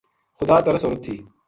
خدا ترس عورت تھی